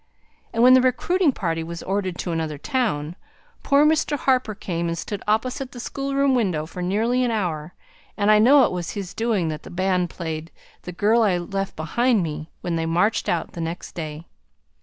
And when the recruiting party was ordered to another town, poor Mr. Harper came and stood opposite the schoolroom window for nearly an hour, and I know it was his doing that the band played 'The girl I left behind me,' when they marched out the next day.